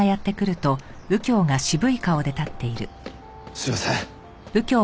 すいません。